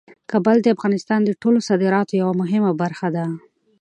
کابل د افغانستان د ټولو صادراتو یوه مهمه برخه ده.